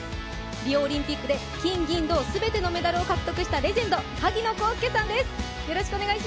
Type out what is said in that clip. リオオリンピックで金銀銅全てのメダルを獲得したレジェンド・萩野公介さんです。